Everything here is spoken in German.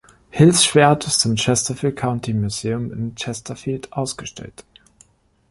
Hills Schwert ist im Chesterfield County Museum in Chesterfield ausgestellt.